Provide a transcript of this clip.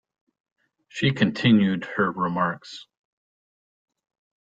She continued her remarks.